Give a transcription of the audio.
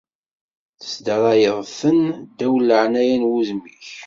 Tesdarayeḍ-ten ddaw n leɛnaya n wudem-ik.